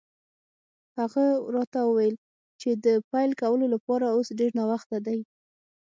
هغه راته وویل چې د پیل کولو لپاره اوس ډېر ناوخته دی.